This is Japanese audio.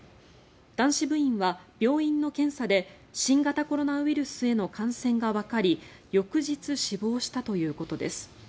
男子部員は病院の検査で新型コロナウイルスへの感染がわかり翌日、死亡したということです。